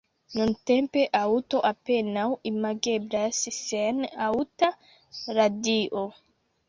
Nuntempe aŭto apenaŭ imageblas sen aŭta radio.